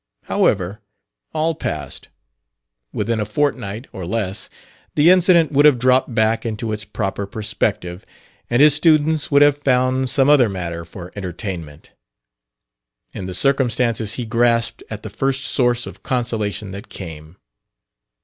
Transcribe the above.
However, all passed.... Within a fortnight or less the incident would have dropped back into its proper perspective, and his students would have found some other matter for entertainment. In the circumstances he grasped at the first source of consolation that came.